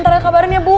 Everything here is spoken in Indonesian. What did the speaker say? ntar aku kabarin ya bu